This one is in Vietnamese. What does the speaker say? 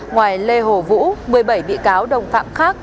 ngoài lê hồ vũ một mươi bảy bị cáo đồng phạm khác